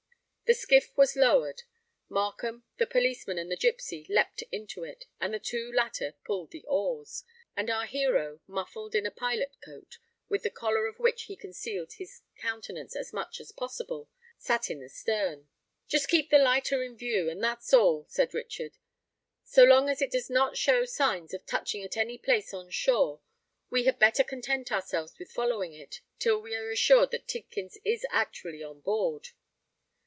The skiff was lowered: Markham, the policeman, and the gipsy leapt into it; the two latter pulled the oars; and our hero, muffled in a pilot coat, with the collar of which he concealed his countenance as much as possible, sate in the stern. "Just keep the lighter in view—and that's all," said Richard. "So long as it does not show signs of touching at any place on shore, we had better content ourselves with following it, till we are assured that Tidkins is actually on board."